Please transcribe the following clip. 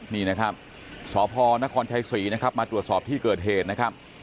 นี่นะครับสพนครชัยศรีนะครับมาตรวจสอบที่เกิดเหตุนะครับ